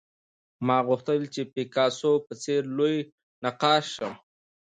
ما غوښتل چې د پیکاسو په څېر لوی نقاش شم